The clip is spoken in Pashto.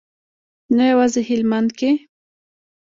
نه یوازې هلمند کې.